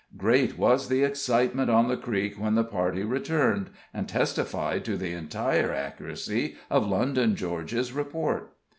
Great was the excitement on the Creek when the party returned, and testified to the entire accuracy of London George's report.